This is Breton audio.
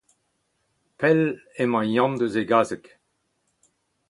Pell emañ Yann eus e gazeg.